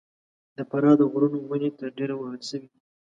د فراه د غرونو ونې تر ډېره وهل سوي دي.